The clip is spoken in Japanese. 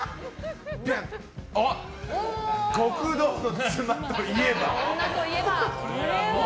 極道の妻といえば？